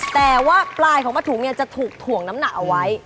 แต่ว่าปลายของผ้าถุงจะถูกถ่วงน้ำหนักเอาไว้